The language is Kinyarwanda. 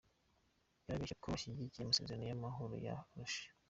Yarabeshye ko ashyigikiye amasezerano y’amahoro ya Arusha.